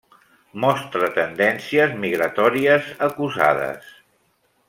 Mostra tendències migratòries acusades.